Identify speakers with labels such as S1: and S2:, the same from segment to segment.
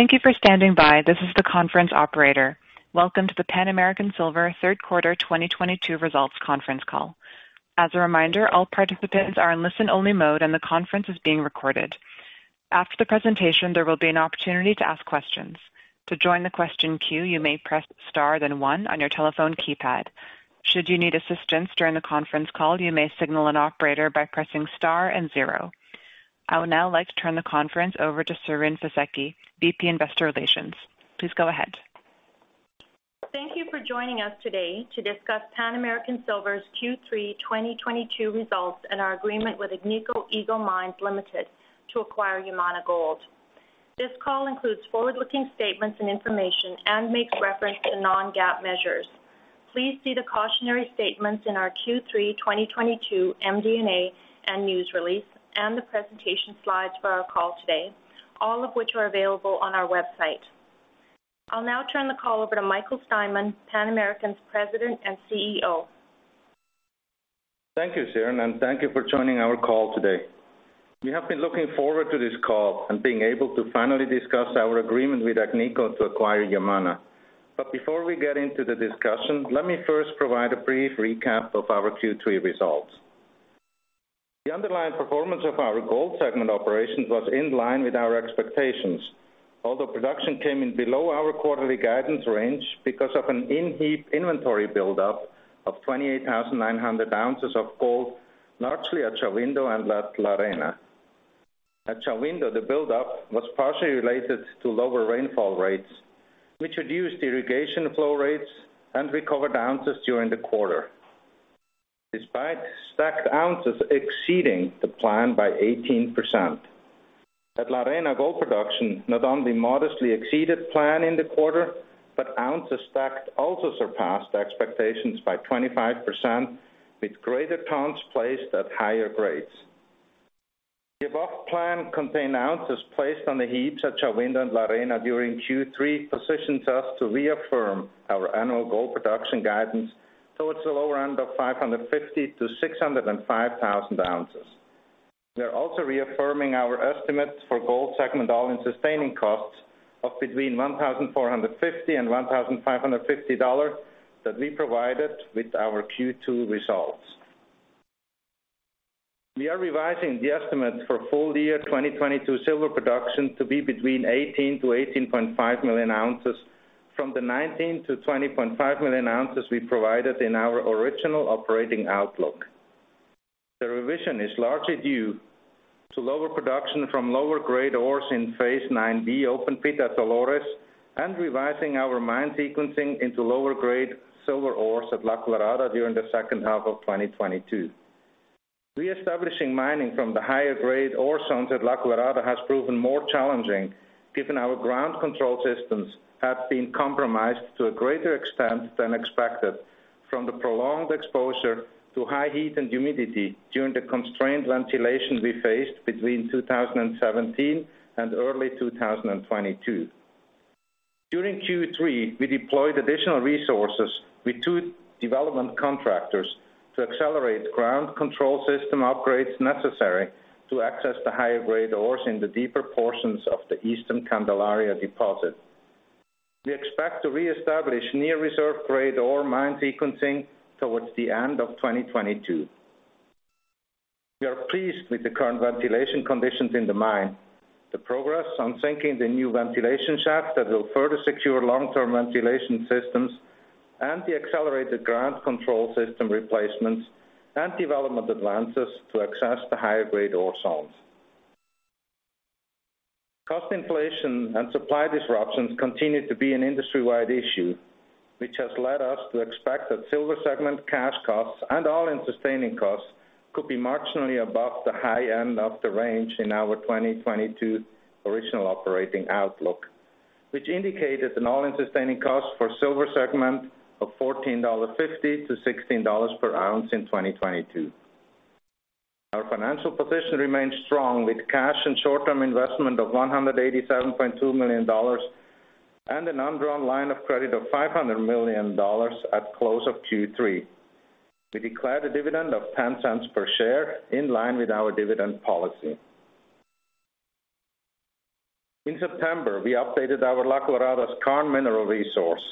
S1: Thank you for standing by. This is the conference operator. Welcome to the Pan American Silver third quarter 2022 results conference call. As a reminder, all participants are in listen-only mode, and the conference is being recorded. After the presentation, there will be an opportunity to ask questions. To join the question queue, you may press Star then one on your telephone keypad. Should you need assistance during the conference call, you may signal an operator by pressing Star and zero. I would now like to turn the conference over to Siren Fisekci, Vice President, Investor Relations. Please go ahead.
S2: Thank you for joining us today to discuss Pan American Silver's Q3 2022 results and our agreement with Agnico Eagle Mines Limited to acquire Yamana Gold. This call includes forward-looking statements and information and makes reference to Non-GAAP measures. Please see the cautionary statements in our Q3 2022 MD&A and news release and the presentation slides for our call today, all of which are available on our website. I'll now turn the call over to Michael Steinmann, Pan American's President and Chief Executive Officer.
S3: Thank you, Shirin, and thank you for joining our call today. We have been looking forward to this call and being able to finally discuss our agreement with Agnico to acquire Yamana. Before we get into the discussion, let me first provide a brief recap of our Q3 results. The underlying performance of our gold segment operations was in line with our expectations. Although production came in below our quarterly guidance range because of an in-heap inventory buildup of 28,900 ounces of gold, largely at Shahuindo and La Arena. At Shahuindo, the buildup was partially related to lower rainfall rates, which reduced irrigation flow rates and recovered ounces during the quarter. Despite stacked ounces exceeding the plan by 18%. At La Arena, gold production not only modestly exceeded plan in the quarter, but ounces stacked also surpassed expectations by 25%, with greater tons placed at higher grades. The above plan contained ounces placed on the heaps at Shahuindo and La Arena during Q3 positions us to reaffirm our annual gold production guidance towards the lower end of 550,000 ounces-605,000 ounces. We are also reaffirming our estimates for gold segment all-in sustaining costs of between $1,450 and $1,550 that we provided with our Q2 results. We are revising the estimate for full year 2022 silver production to be between 18 million ounces-18.5 million ounces from the 19 million ounces-20.5 million ounces we provided in our original operating outlook. The revision is largely due to lower production from lower grade ores in Phase 9B open pit at Dolores and revising our mine sequencing into lower grade silver ores at La Colorada during the second half of 2022. Reestablishing mining from the higher grade ore zones at La Colorada has proven more challenging, given our ground control systems have been compromised to a greater extent than expected from the prolonged exposure to high heat and humidity during the constrained ventilation we faced between 2017 and early 2022. During Q3, we deployed additional resources with two development contractors to accelerate ground control system upgrades necessary to access the higher grade ores in the deeper portions of the Eastern Candelaria deposit. We expect to reestablish near reserve grade ore mine sequencing towards the end of 2022. We are pleased with the current ventilation conditions in the mine, the progress on sinking the new ventilation shaft that will further secure long-term ventilation systems, and the accelerated ground control system replacements and development advances to access the higher grade ore zones. Cost inflation and supply disruptions continue to be an industry-wide issue, which has led us to expect that silver segment cash costs and all-in sustaining costs could be marginally above the high end of the range in our 2022 original operating outlook, which indicated an all-in sustaining cost for silver segment of $14.50-$16 per ounce in 2022. Our financial position remains strong with cash and short-term investment of $187.2 million and an undrawn line of credit of $500 million at close of Q3. We declared a dividend of $0.10 per share in line with our dividend policy. In September, we updated our La Colorada current mineral resource.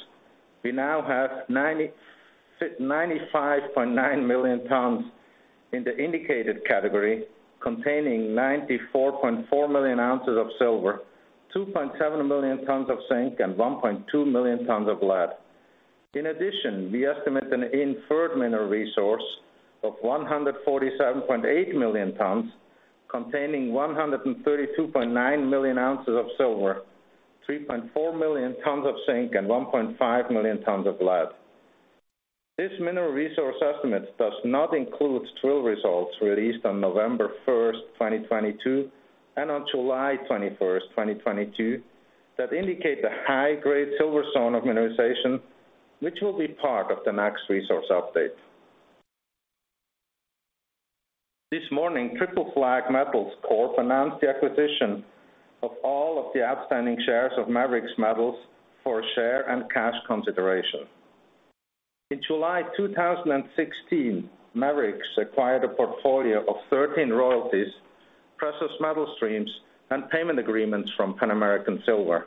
S3: We now have 95.9 million tons in the indicated category, containing 94.4 million ounces of silver, 2.7 million tons of zinc, and 1.2 million tons of lead. In addition, we estimate an inferred mineral resource of 147.8 million tons containing 132.9 million ounces of silver, 3.4 million tons of zinc, and 1.5 million tons of lead. This mineral resource estimate does not include drill results released on November 1st, 2022, and on July 21st, 2022, that indicate the high-grade silver zone of mineralization, which will be part of the next resource update. This morning, Triple Flag Precious Metals Corp. Announced the acquisition of all of the outstanding shares of Maverix Metals for share and cash consideration. In July 2016, Maverix Metals acquired a portfolio of 13 royalties, precious metal streams, and payment agreements from Pan American Silver.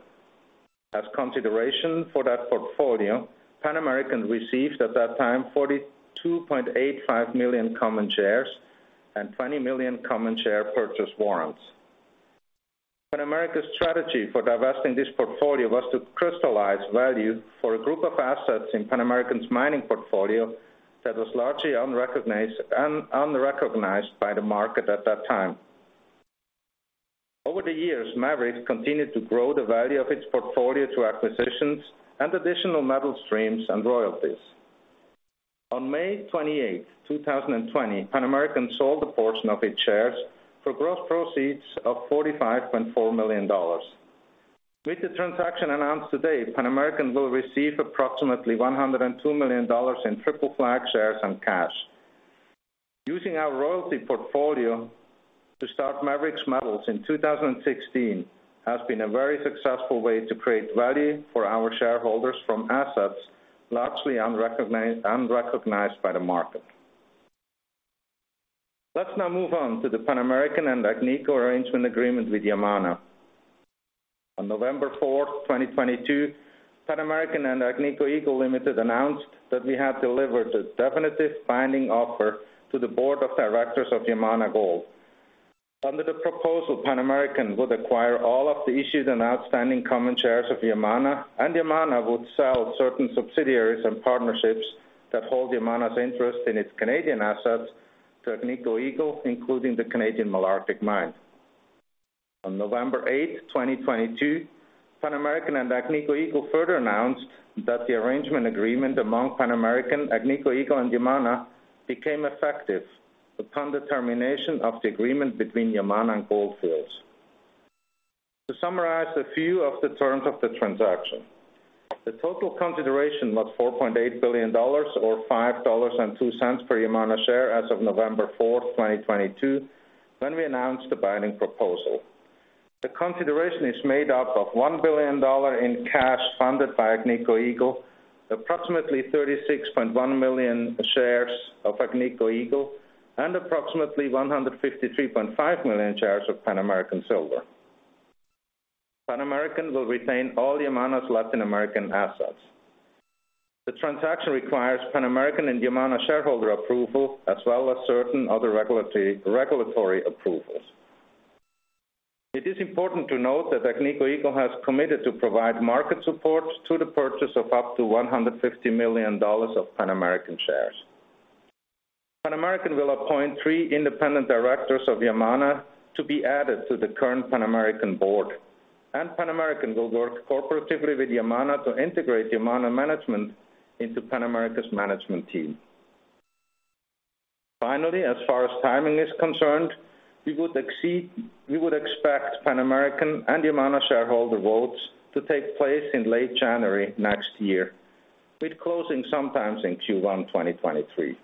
S3: As consideration for that portfolio, Pan American Silver received at that time 42.85 million common shares and 20 million common share purchase warrants. Pan American Silver's strategy for divesting this portfolio was to crystallize value for a group of assets in Pan American Silver's mining portfolio that was largely unrecognized by the market at that time. Over the years, Maverix Metals continued to grow the value of its portfolio through acquisitions and additional metal streams and royalties. On May 28th, 2020, Pan American Silver sold a portion of its shares for gross proceeds of $45.4 million. With the transaction announced today, Pan American will receive approximately $102 million in Triple Flag shares and cash. Using our royalty portfolio to start Maverix Metals in 2016 has been a very successful way to create value for our shareholders from assets largely unrecognized by the market. Let's now move on to the Pan American and Agnico Eagle arrangement agreement with Yamana. On November 4th, 2022, Pan American and Agnico Eagle Limited announced that we have delivered a definitive binding offer to the board of directors of Yamana Gold. Under the proposal, Pan American would acquire all of the issued and outstanding common shares of Yamana, and Yamana would sell certain subsidiaries and partnerships that hold Yamana's interest in its Canadian assets to Agnico Eagle, including the Canadian Malartic Mine. On November 8th, 2022, Pan American and Agnico Eagle further announced that the arrangement agreement among Pan American, Agnico Eagle, and Yamana became effective upon the termination of the agreement between Yamana and Gold Fields. To summarize a few of the terms of the transaction, the total consideration was $4.8 billion or $5.02 per Yamana share as of November 4th, 2022, when we announced the binding proposal. The consideration is made up of $1 billion in cash funded by Agnico Eagle, approximately 36.1 million shares of Agnico Eagle, and approximately 153.5 million shares of Pan American Silver. Pan American will retain all Yamana's Latin American assets. The transaction requires Pan American and Yamana shareholder approval as well as certain other regulatory approvals. It is important to note that Agnico Eagle has committed to provide market support to the purchase of up to $150 million of Pan American shares. Pan American will appoint three independent directors of Yamana to be added to the current Pan American board, and Pan American will work cooperatively with Yamana to integrate Yamana management into Pan American's management team. Finally, as far as timing is concerned, we would expect Pan American and Yamana shareholder votes to take place in late January next year, with closing sometime in Q1 2023.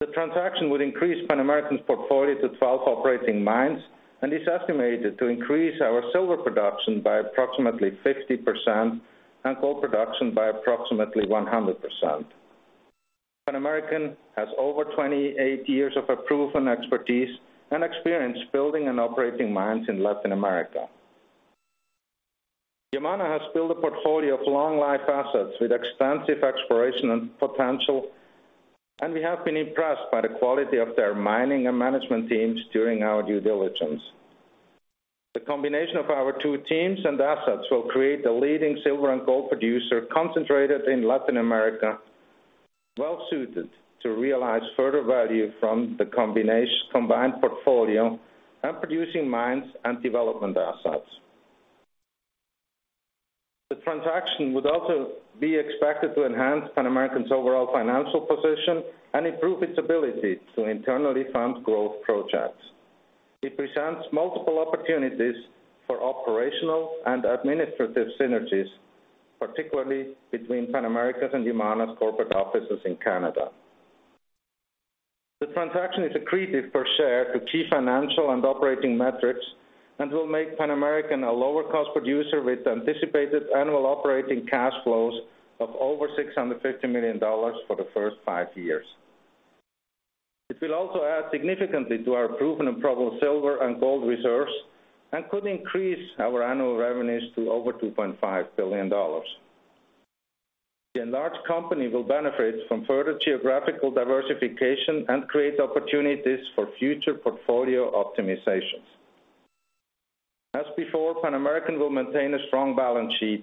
S3: The transaction would increase Pan American's portfolio to 12 operating mines and is estimated to increase our silver production by approximately 50% and gold production by approximately 100%. Pan American has over 28 years of proven expertise and experience building and operating mines in Latin America. Yamana has built a portfolio of long life assets with extensive exploration and potential, and we have been impressed by the quality of their mining and management teams during our due diligence. The combination of our two teams and assets will create the leading silver and gold producer concentrated in Latin America, well-suited to realize further value from the combined portfolio and producing mines and development assets. The transaction would also be expected to enhance Pan American's overall financial position and improve its ability to internally fund growth projects. It presents multiple opportunities for operational and administrative synergies, particularly between Pan American's and Yamana's corporate offices in Canada. The transaction is accretive per share to key financial and operating metrics and will make Pan American a lower cost producer with anticipated annual operating cash flows of over $650 million for the first five years. It will also add significantly to our proven and probable silver and gold reserves and could increase our annual revenues to over $2.5 billion. The enlarged company will benefit from further geographical diversification and create opportunities for future portfolio optimizations. As before, Pan American will maintain a strong balance sheet.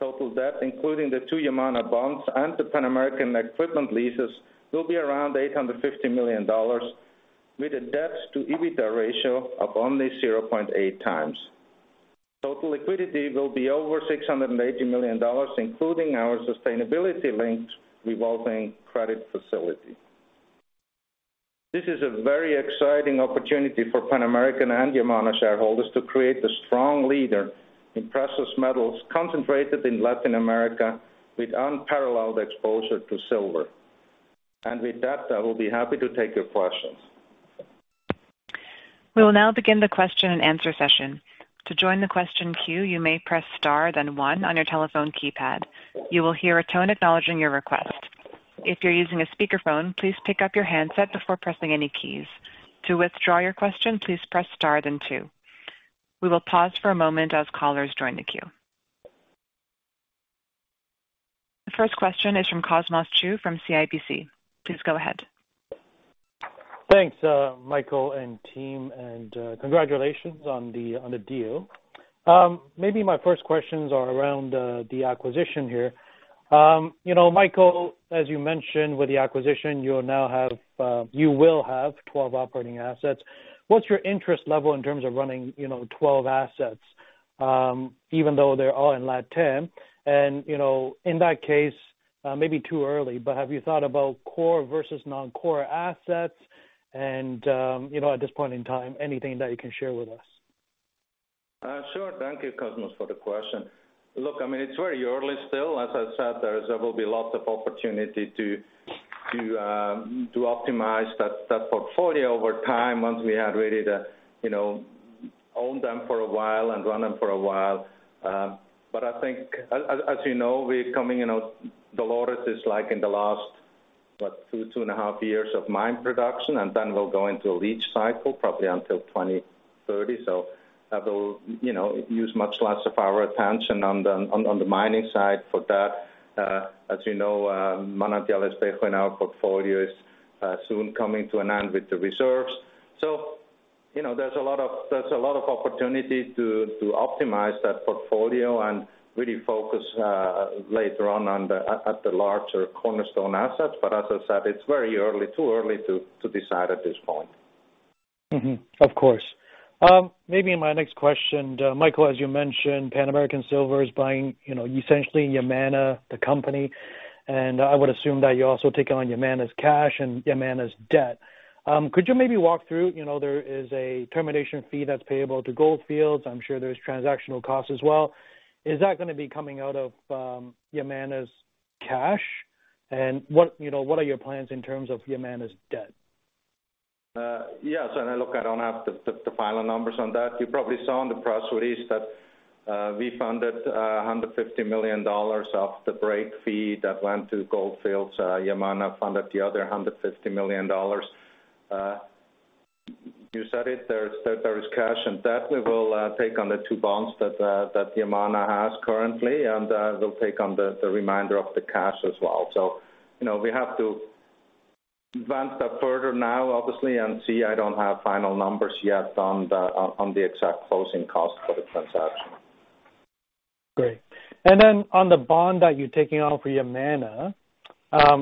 S3: Total debt, including the two Yamana bonds and the Pan American equipment leases, will be around $850 million with a debt to EBITDA ratio of only 0.8x. Total liquidity will be over $680 million, including our sustainability-linked revolving credit facility. This is a very exciting opportunity for Pan American and Yamana shareholders to create a strong leader in precious metals concentrated in Latin America with unparalleled exposure to silver. With that, I will be happy to take your questions.
S1: We will now begin the question and answer session. To join the question queue, you may press star then one on your telephone keypad. You will hear a tone acknowledging your request. If you're using a speakerphone, please pick up your handset before pressing any keys. To withdraw your question, please press star then two. We will pause for a moment as callers join the queue. The first question is from Cosmos Chiu from CIBC. Please go ahead.
S4: Thanks, Michael and team, and congratulations on the deal. Maybe my first questions are around the acquisition here. You know, Michael, as you mentioned, with the acquisition, you will have 12 operating assets. What's your interest level in terms of running, you know, 12 assets, even though they're all in Latam? And you know, in that case, maybe too early, but have you thought about core versus non-core assets? And you know, at this point in time, anything that you can share with us?
S3: Sure. Thank you, Cosmos, for the question. Look, I mean, it's very early still. As I said, there will be lots of opportunity to optimize that portfolio over time once we have really, you know, owned them for a while and run them for a while. I think as you know, Dolores is like in the last two and a half years of mine production, and then we'll go into a leach cycle probably until 2030. That will use much less of our attention on the mining side for that. As you know, Manantial Espejo in our portfolio is soon coming to an end with the reserves. You know, there's a lot of opportunity to optimize that portfolio and really focus later on at the larger cornerstone assets. As I said, it's very early, too early to decide at this point.
S4: Of course. Maybe my next question, Michael, as you mentioned, Pan American Silver is buying, you know, essentially Yamana, the company, and I would assume that you're also taking on Yamana's cash and Yamana's debt. Could you maybe walk through, you know, there is a termination fee that's payable to Gold Fields. I'm sure there's transaction costs as well. Is that gonna be coming out of Yamana's cash? What, you know, what are your plans in terms of Yamana's debt?
S3: Yes. Look, I don't have the final numbers on that. You probably saw on the press release that we funded $150 million of the break fee that went to Gold Fields. Yamana Gold funded the other $150 million. You said it, there is cash, and definitely we'll take on the two bonds that Yamana Gold has currently, and we'll take on the remainder of the cash as well. You know, we have to advance that further now, obviously, and see. I don't have final numbers yet on the exact closing cost for the transaction.
S4: Great. Then on the bond that you're taking on for Yamana,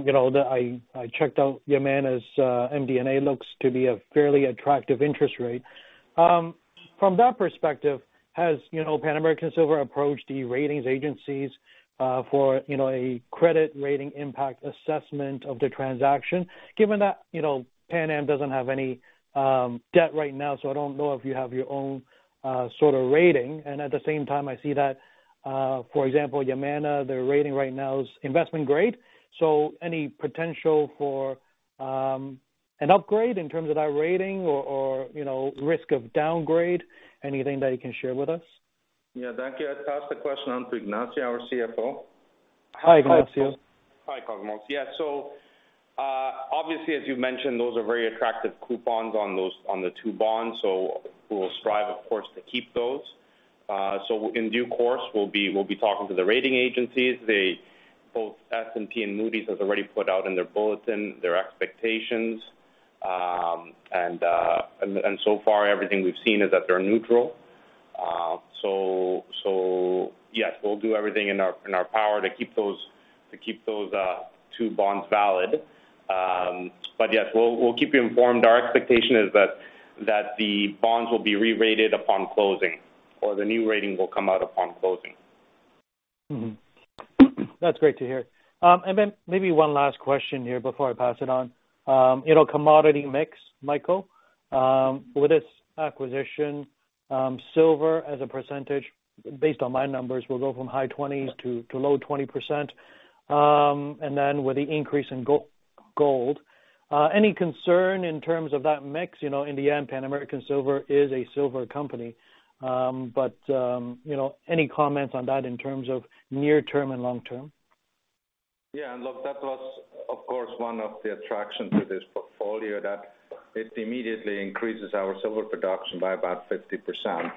S4: you know, I checked out Yamana's MD&A looks to be a fairly attractive interest rate. From that perspective, has, you know, Pan American Silver approached the ratings agencies, you know, for a credit rating impact assessment of the transaction given that, you know, Pan Am doesn't have any debt right now, so I don't know if you have your own sort of rating. At the same time, I see that, for example, Yamana, their rating right now is investment grade. Any potential for an upgrade in terms of that rating or, you know, risk of downgrade? Anything that you can share with us?
S3: Yeah. Thank you. I'll pass the question on to Ignacio, our Chief Financial Officer.
S4: Hi, Ignacio.
S5: Hi, Cosmos. Yeah. Obviously, as you've mentioned, those are very attractive coupons on those, on the two bonds, so we'll strive, of course, to keep those. In due course, we'll be talking to the rating agencies. They, both S&P and Moody's has already put out in their bulletin their expectations. And so far everything we've seen is that they're neutral. Yes, we'll do everything in our power to keep those two bonds valid. Yes, we'll keep you informed. Our expectation is that the bonds will be re-rated upon closing or the new rating will come out upon closing.
S4: That's great to hear. Maybe one last question here before I pass it on. You know, commodity mix, Michael. With this acquisition, silver as a percentage, based on my numbers, will go from high 20s to low 20%, and then with the increase in gold. Any concern in terms of that mix? You know, in the end, Pan American Silver is a silver company. You know, any comments on that in terms of near term and long term?
S3: Yeah. Look, that was, of course, one of the attraction to this portfolio, that it immediately increases our silver production by about 50%.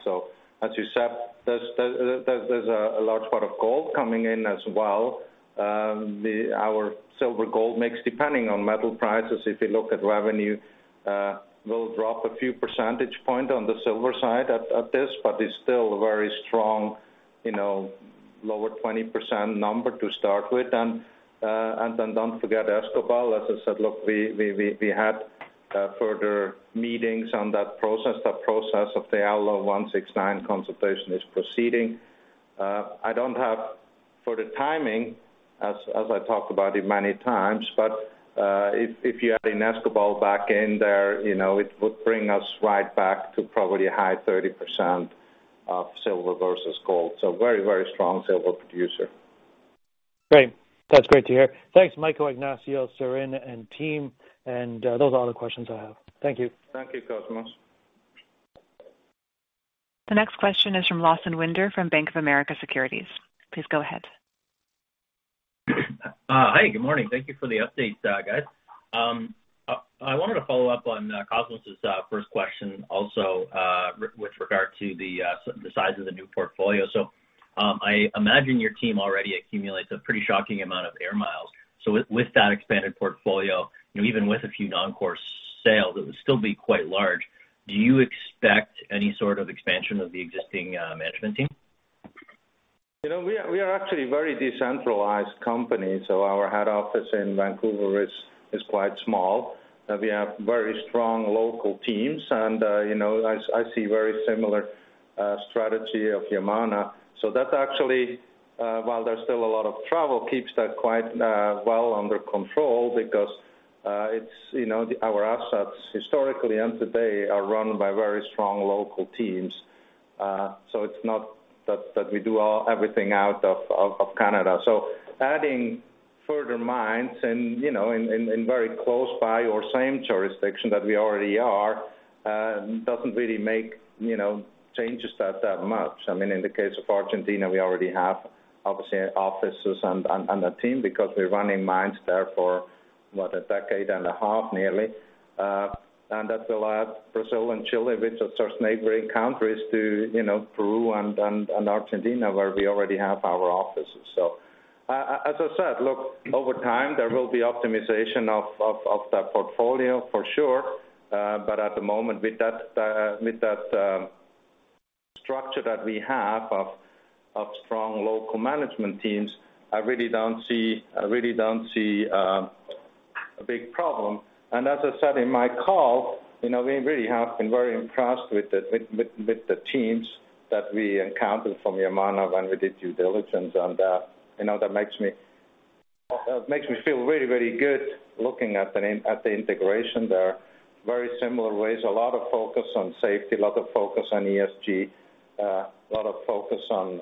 S3: As you said, there's a large part of gold coming in as well. Our silver gold mix, depending on metal prices, if you look at revenue, will drop a few percentage point on the silver side at this but is still very strong, you know, lower 20% number to start with. Then don't forget Escobal. As I said, look, we had further meetings on that process. That process of the ILO 169 consultation is proceeding. I don't have for the timing as I talked about it many times, but if you had an Escobal back in there, you know, it would bring us right back to probably a high 30% of silver versus gold. Very, very strong silver producer.
S4: Great. That's great to hear. Thanks, Michael, Ignacio, Siren, and team. Those are all the questions I have. Thank you.
S3: Thank you, Cosmos.
S1: The next question is from Lawson Winder from Bank of America Securities. Please go ahead.
S6: Hi, good morning. Thank you for the updates, guys. I wanted to follow up on Cosmos's first question also with regard to the size of the new portfolio. I imagine your team already accumulates a pretty shocking amount of air miles. With that expanded portfolio, you know, even with a few non-core sales, it would still be quite large. Do you expect any sort of expansion of the existing management team?
S3: You know, we are actually a very decentralized company, so our head office in Vancouver is quite small. We have very strong local teams and, you know, I see very similar strategy of Yamana. So that actually, while there's still a lot of travel, keeps that quite well under control because it's, you know, our assets historically and today are run by very strong local teams. So it's not that we do everything out of Canada. So adding further mines and, you know, in very close by or same jurisdiction that we already are, doesn't really make, you know, changes that much. I mean, in the case of Argentina, we already have obviously offices and a team because we're running mines there for, what, a decade and a half nearly. That will add Brazil and Chile, which are such neighboring countries to, you know, Peru and Argentina, where we already have our offices. As I said, look, over time, there will be optimization of that portfolio for sure. But at the moment with that structure that we have of strong local management teams, I really don't see a big problem. As I said in my call, you know, we really have been very impressed with the teams that we encountered from Yamana when we did due diligence. You know, that makes me feel very, very good looking at the integration there. Very similar ways, a lot of focus on safety, a lot of focus on ESG, a lot of focus on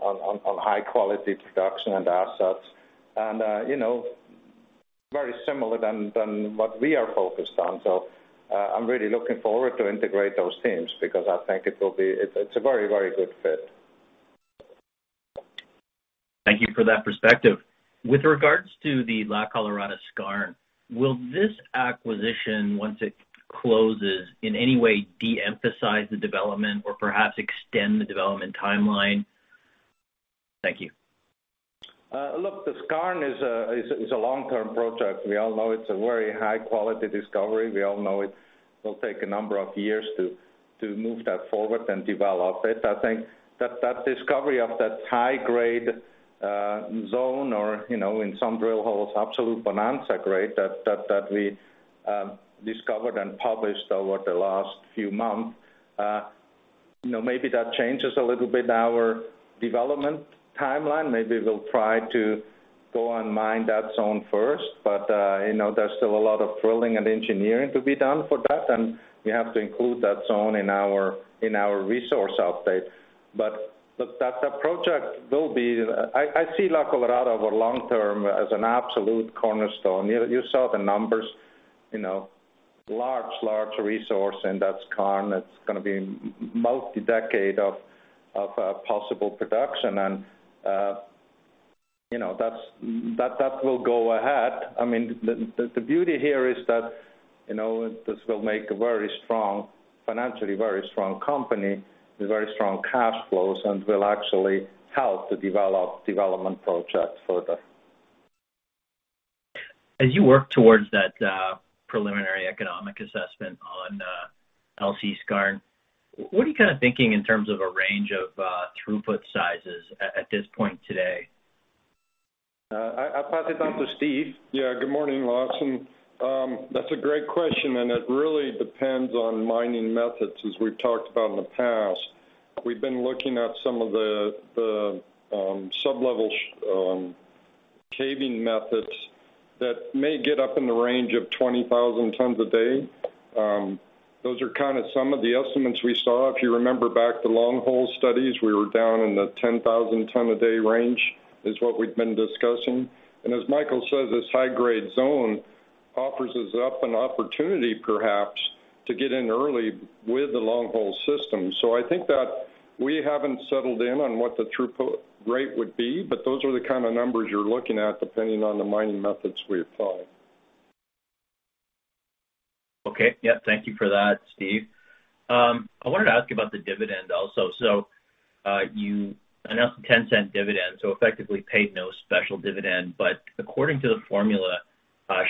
S3: high quality production and assets and, you know, very similar than what we are focused on. I'm really looking forward to integrate those teams because I think it will be. It's a very, very good fit.
S6: Thank you for that perspective. With regards to the La Colorada skarn, will this acquisition, once it closes, in any way de-emphasize the development or perhaps extend the development timeline? Thank you.
S3: Look, the skarn is a long term project. We all know it's a very high quality discovery. We all know it will take a number of years to move that forward and develop it. I think that discovery of that high grade zone or, you know, in some drill holes, absolute bonanza grade that we discovered and published over the last few months, you know, maybe that changes a little bit our development timeline. Maybe we'll try to go and mine that zone first. You know, there's still a lot of drilling and engineering to be done for that, and we have to include that zone in our resource update. Look, that project will be. I see La Colorada over long term as an absolute cornerstone. You saw the numbers, you know, large resource in that skarn that's gonna be multi-decade of possible production. You know, that will go ahead. I mean, the beauty here is that, you know, this will make a very strong, financially very strong company with very strong cash flows and will actually help to develop projects further.
S6: As you work towards that, preliminary economic assessment on LC Skarn, what are you kind of thinking in terms of a range of throughput sizes at this point today?
S3: I'll pass it on to Steve.
S7: Yeah. Good morning, Lawson. That's a great question, and it really depends on mining methods, as we've talked about in the past. We've been looking at some of the sub-level caving methods that may get up in the range of 20,000 tons a day. Those are kind of some of the estimates we saw. If you remember back to the longhole studies, we were down in the 10,000 tons a day range, is what we'd been discussing. As Michael says, this high grade zone offers us up an opportunity perhaps to get in early with the longhole system. I think that we haven't settled on what the throughput rate would be, but those are the kind of numbers you're looking at, depending on the mining methods we apply.
S6: Okay. Yeah, thank you for that, Steve. I wanted to ask you about the dividend also. You announced a $0.10 dividend, so effectively paid no special dividend. According to the formula,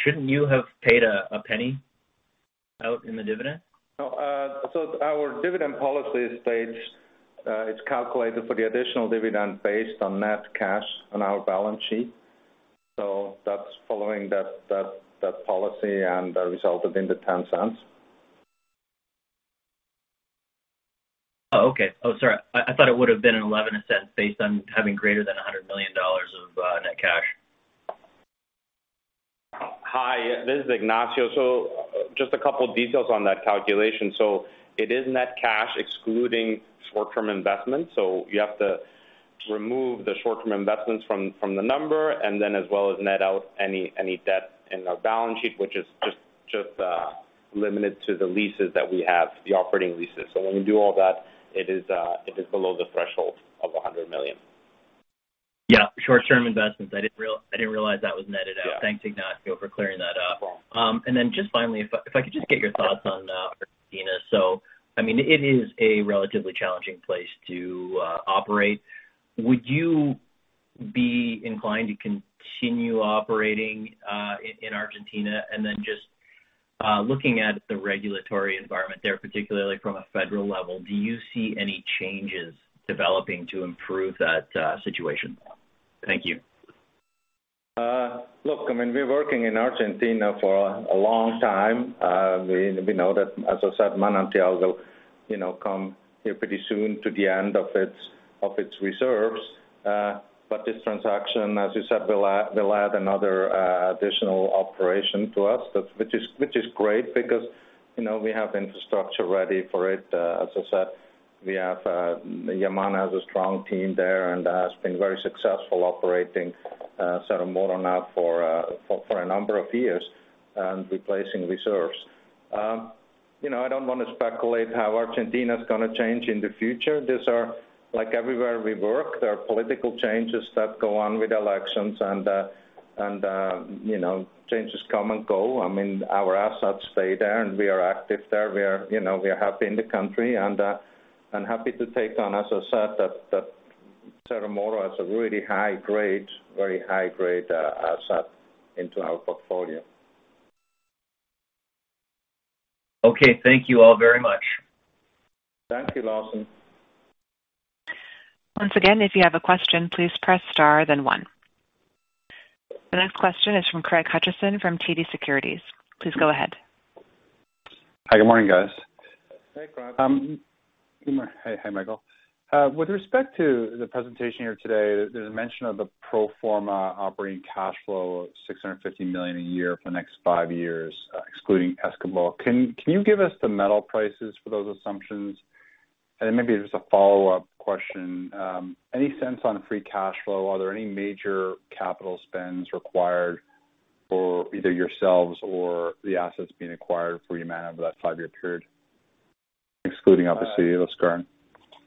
S6: shouldn't you have paid a $0.01 out in the dividend?
S3: No. Our dividend policy states it's calculated for the additional dividend based on net cash on our balance sheet. That's following that policy and resulted in the $0.10.
S6: Oh, okay. Oh, sorry. I thought it would have been an $0.11 based on having greater than $100 million of net cash.
S5: This is Ignacio. Just a couple of details on that calculation. It is net cash excluding short-term investments. You have to remove the short-term investments from the number and then as well as net out any debt in our balance sheet, which is just limited to the leases that we have, the operating leases. When we do all that, it is below the threshold of $100 million.
S6: Yeah, short-term investments. I didn't realize that was netted out.
S5: Yeah. Thanks, Ignacio, for clearing that up. No problem. And then just finally, if I could just get your thoughts on Argentina. I mean, it is a relatively challenging place to operate. Would you be inclined to continue operating in Argentina? Just looking at the regulatory environment there, particularly from a federal level, do you see any changes developing to improve that situation? Thank you.
S3: Look, I mean, we're working in Argentina for a long time. We know that, as I said, Manantial Espejo will, you know, come to the end of its reserves pretty soon. But this transaction, as you said, will add another additional operation to us. That is great because, you know, we have infrastructure ready for it. As I said, Yamana has a strong team there and has been very successful operating Cerro Moro now for a number of years and replacing reserves. You know, I don't wanna speculate how Argentina's gonna change in the future. These are like everywhere we work, there are political changes that go on with elections and you know, changes come and go. I mean, our assets stay there, and we are active there. We are, you know, we are happy in the country and happy to take on, as I said, that Cerro Moro has a really high grade, very high grade, asset into our portfolio.
S6: Okay. Thank you all very much.
S3: Thank you, Lawson.
S1: Once again, if you have a question, please press star then one. The next question is from Craig Hutchison from TD Securities. Please go ahead.
S8: Hi, good morning, guys.
S3: Hey, Craig.
S8: Hi, Michael. With respect to the presentation here today, there's a mention of the pro forma operating cash flow of $650 million a year for the next five years, excluding Escobal. Can you give us the metal prices for those assumptions? Then maybe just a follow-up question, any sense on free cash flow? Are there any major capital spends required for either yourselves or the assets being acquired from Yamana over that five-year period, excluding obviously Los Gatos?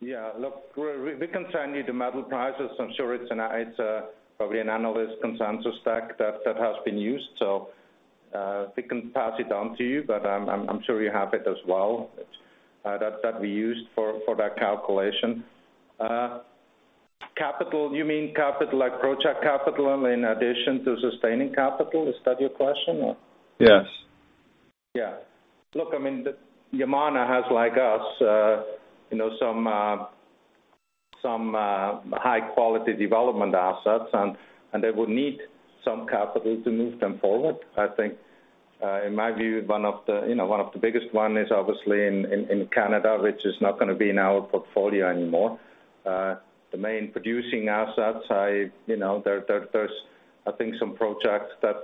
S3: Yeah. Look, we can send you the metal prices. I'm sure it's probably an analyst consensus stack that has been used. So we can pass it on to you, but I'm sure you have it as well, that we used for that calculation. Capital, you mean capital like project capital and in addition to sustaining capital? Is that your question or?
S8: Yes.
S3: Yeah. Look, I mean, Yamana Gold has, like us, you know, some high quality development assets and they would need some capital to move them forward. I think, in my view, one of the biggest one is obviously in Canada, which is not gonna be in our portfolio anymore. The main producing assets. You know, there's, I think some projects that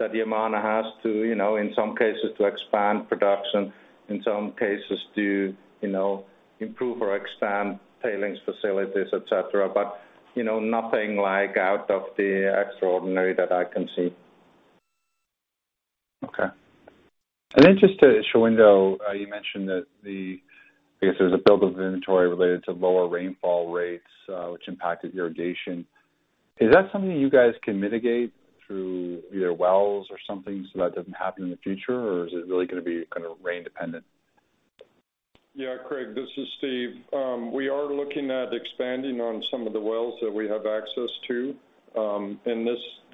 S3: Yamana Gold has to, you know, in some cases, expand production, in some cases to, you know, improve or expand tailings facilities, et cetera. You know, nothing like out of the ordinary that I can see.
S8: Okay. Just to Shahuindo, you mentioned that I guess there's a build of inventory related to lower rainfall rates, which impacted irrigation. Is that something you guys can mitigate through either wells or something so that doesn't happen in the future? Or is it really gonna be kinda rain dependent?
S7: Yeah, Craig, this is Steve. We are looking at expanding on some of the wells that we have access to.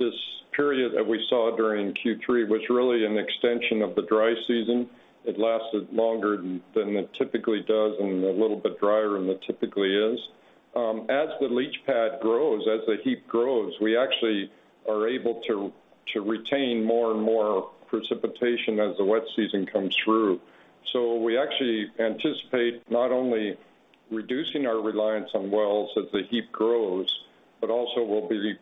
S7: This period that we saw during Q3 was really an extension of the dry season. It lasted longer than it typically does and a little bit drier than it typically is. As the leach pad grows, as the heap grows, we actually are able to retain more and more precipitation as the wet season comes through. We actually anticipate not only reducing our reliance on wells as the heap grows, but also we'll be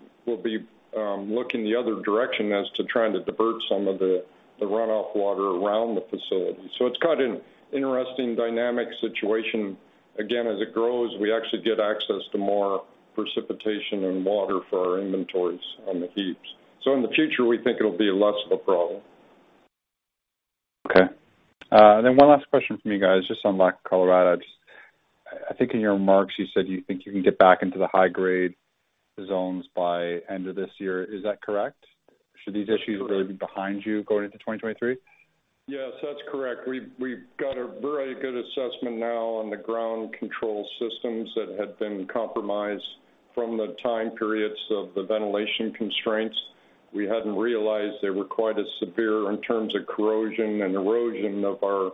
S7: looking the other direction as to trying to divert some of the runoff water around the facility. It's quite an interesting dynamic situation. Again, as it grows, we actually get access to more precipitation and water for our inventories on the heaps. In the future, we think it'll be less of a problem.
S8: Okay. One last question for you guys, just on La Colorada. I think in your remarks, you said you think you can get back into the high grade zones by end of this year. Is that correct? Should these issues really be behind you going into 2023?
S7: Yes. That's correct. We've got a very good assessment now on the ground control systems that had been compromised from the time periods of the ventilation constraints. We hadn't realized they were quite as severe in terms of corrosion and erosion of our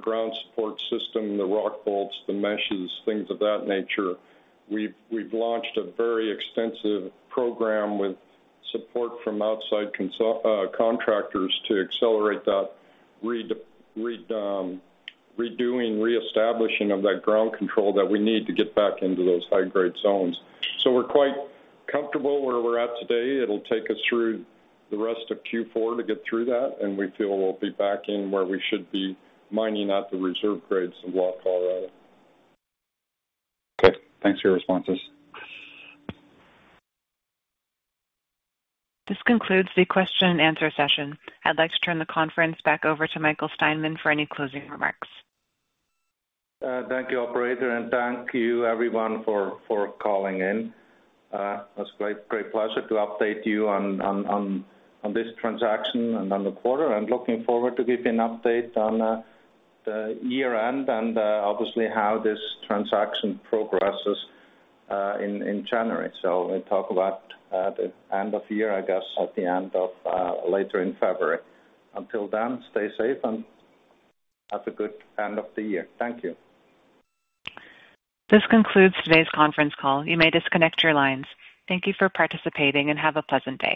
S7: ground support system, the rock bolts, the meshes, things of that nature. We've launched a very extensive program with support from outside contractors to accelerate that redoing, reestablishing of that ground control that we need to get back into those high grade zones. We're quite comfortable where we're at today. It'll take us through the rest of Q4 to get through that, and we feel we'll be back in where we should be mining at the reserve grades of La Colorada.
S8: Okay. Thanks for your responses.
S1: This concludes the question and answer session. I'd like to turn the conference back over to Michael Steinmann for any closing remarks.
S3: Thank you, operator, and thank you everyone for calling in. It was great pleasure to update you on this transaction and on the quarter. I'm looking forward to giving an update on the year-end and obviously how this transaction progresses in January. We'll talk about at the end of the year, I guess, later in February. Until then, stay safe and have a good end of the year. Thank you.
S1: This concludes today's conference call. You may disconnect your lines. Thank you for participating and have a pleasant day.